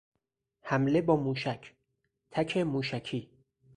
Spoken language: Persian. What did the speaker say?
حمله با موشک، تک موشکی